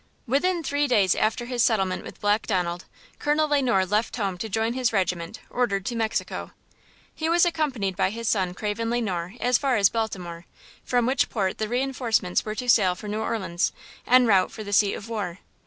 WITHIN three days after his settlement with Black Donald, Colonel Le Noir left home to join his regiment, ordered to Mexico. He was accompanied by his son Craven Le Noir as far as Baltimore, from which port the reinforcements were to sail for New Orleans, en route for the seat of war.